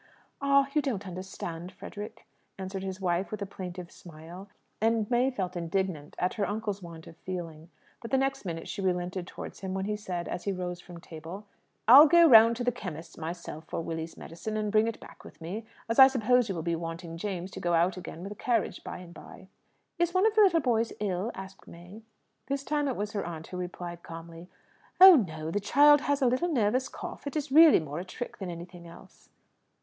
"Ah, you don't understand, Frederick," answered his wife, with a plaintive smile. And May felt indignant at her uncle's want of feeling. But the next minute she relented towards him when he said, as he rose from table "I'll go round to the chemist's myself for Willy's medicine, and bring it back with me, as I suppose you will be wanting James to go out again with the carriage by and by." "Is one of the little boys ill?" asked May. This time it was her aunt who replied calmly, "Oh no. The child has a little nervous cough; it is really more a trick than anything else."